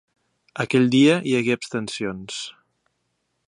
Aquell dia hi hagué abstencions.